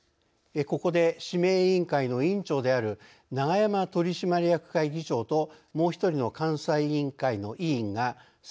ここで指名委員会の委員長である永山取締役会議長ともう１人の監査委員会の委員が再任を否決されました。